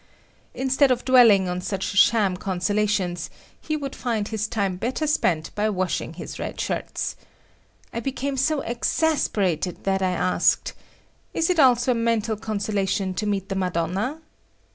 Instead of dwelling on such sham consolations, he would find his time better spent by washing his red shirts. I became so exasperated that I asked; "Is it also a mental consolation to meet the Madonna?"